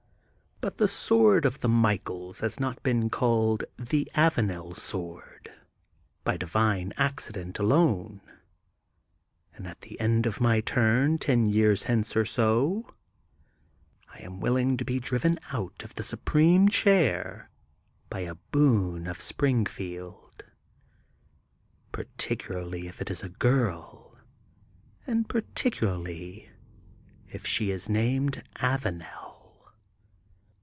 But the sword of the Michaels has not been called the Avanel sword by divine accident alone, ^d at the end of my turn, ten years hence, or so, I am willing to be driven out of the supreme chair by a Boone, of Springfield, particularly if it is a girl, and particularly if she is named Avanel."